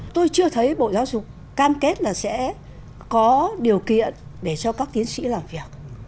tôi chưa thấy bộ giáo dục cam kết là sẽ có điều kiện để cho các tiến sĩ làm việc